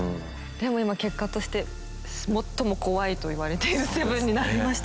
でも今結果として最も怖いと言われている「７」になりましたから。